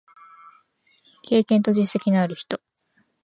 経験と実績のある人